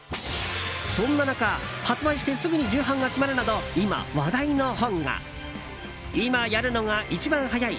そんな中、発売してすぐに重版が決まるなど今、話題の本が「今やるのが、いちばんハヤイ！